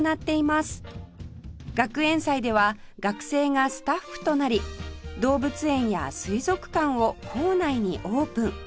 学園祭では学生がスタッフとなり動物園や水族館を校内にオープン